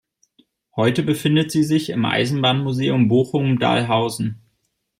Heute befindet sie sich im Eisenbahnmuseum Bochum-Dahlhausen.